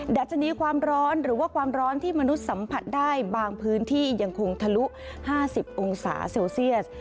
ดัชนีความร้อนหรือว่าความร้อนที่มนุษย์สัมผัสได้บางพื้นที่ยังคงทะลุ๕๐องศาเซลเซียส